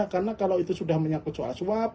karena kalau itu sudah menyangkut soal suap